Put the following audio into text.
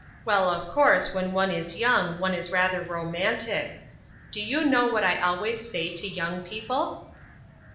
Well, of course, when one is young, one is rather romantic. Do you know what I always say to young people?"